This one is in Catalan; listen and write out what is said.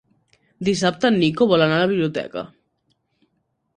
Dissabte en Nico vol anar a la biblioteca.